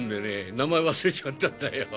名前忘れちゃったんだよ〕